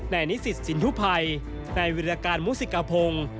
นนิสิทธิ์สินทุพัยนวิริธการมุษิกภง